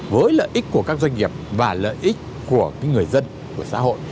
với lợi ích của các doanh nghiệp và lợi ích của người dân của xã hội